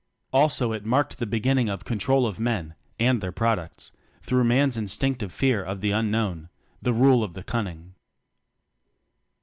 Also it marked the beginning of control of men (and their products) through man's instinctive fear of the unknown the Rule of the Cunning.